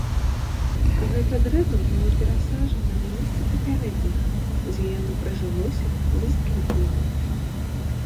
Гэта дрэва было перасаджана на месца папярэдняга, дзе яно прыжылося ды заквітнела.